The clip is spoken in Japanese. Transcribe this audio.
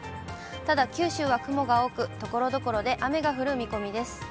ただ、九州は雲が多く、ところどころで雨が降る見込みです。